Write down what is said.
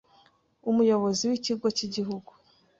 umuyobozi w’ikigo k’igihugu